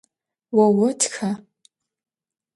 Vo votxa?